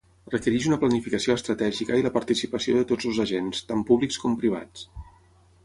Requereix una planificació estratègica i la participació de tots els agents, tant públics com privats.